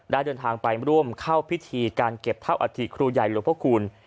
เดินทางไปร่วมเข้าพิธีการเก็บเท่าอัฐิครูใหญ่หลวงพระคุณ